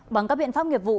bằng các biện pháp nghiệp vụ